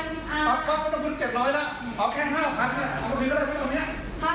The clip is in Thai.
ไม่ต้องไปแจงแจงก็ทะเลาะกันโฟมยกไปเลยหรือห้าพัน